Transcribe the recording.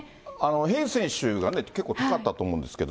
ヘイズ選手が結構高かったと思うんですけど。